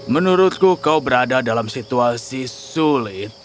menurutku kau berada dalam situasi sulit